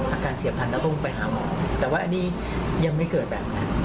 อาการเสียพันธุ์แล้วก็คงไปหาหมอแต่ว่าอันนี้ยังไม่เกิดแบบนั้น